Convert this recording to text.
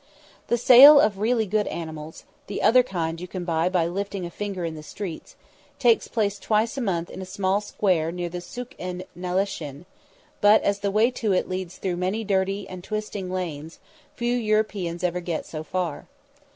The sale of really good animals the other kind you can buy by lifting a finger in the streets takes place twice a month in a small square near the Suk en Nahlesin; but as the way to it leads through many dirty and twisting lanes, few Europeans ever get so far.